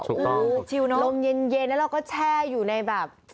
ถูกต้องชิลเนอะลมเย็นแล้วก็แช่อยู่ในแบบ